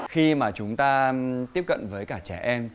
khi mà chúng ta tiếp cận với cả trẻ em